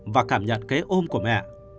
và cảm nhận cái ôm của mẹ